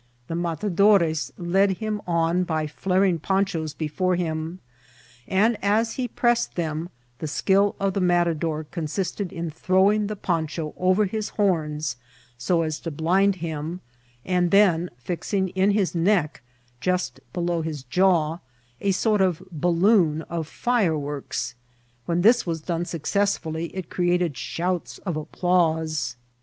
The matadores led him on by flaring ponchas before him, and as he press ed them, the skill of the matadore consisted in throw ing the poncha oyer his horns so as to blind him, and then fixing in his neck, just behind his jaw, a sort of balloon of fireworks ; when this was done successfully it created shouts of applause.